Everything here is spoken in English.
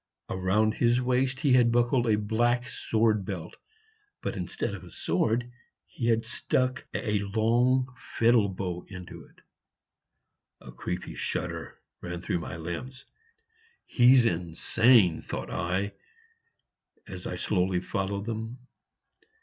Around his waist he had buckled a black sword belt; but instead of a sword he had stuck a long fiddle bow into it. A creepy shudder ran through my limbs: "He's insane," thought I, as I slowly followed them.